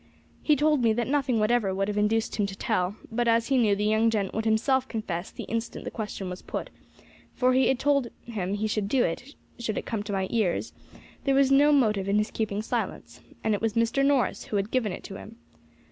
"He told me that nothing whatever would have induced him to tell; but as he knew the young gent would himself confess the instant the question was put, for he had told him he should do so did it come to my ears, there was no motive in his keeping silence, and it was Mr. Norris who had given it to him.